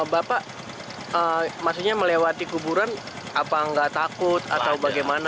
bapak maksudnya melewati kuburan apa nggak takut atau bagaimana